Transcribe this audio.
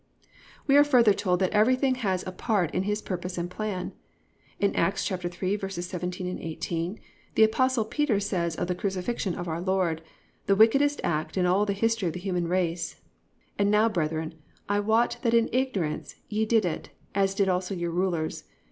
We are further told that everything has a part in His purpose and plan. In Acts 3:17, 18, the Apostle Peter says of the crucifixion of our Lord, the wickedest act in all the history of the human race: +"And now, brethren, I wot that in ignorance ye did it, as did also your rulers.